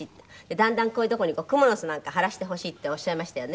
「だんだんこういう所にクモの巣なんか張らしてほしい」っておっしゃいましたよね？